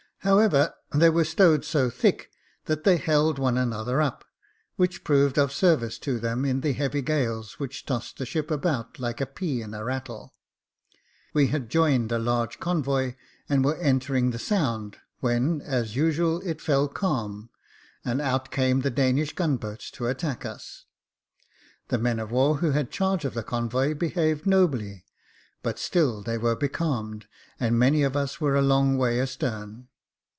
However, they were stowed so thick, that they held one another up, which proved of service to them in the heavy gales which tossed the ship about like a pea in a rattle. We had joined a large convoy, and were entering the Sound, when, as usual, it fell calm, and out came the Danish gunboats to attack us. The men of war who had charge of the convoy behaved nobly ; but still they were becalmed, and many of us were a long way astern.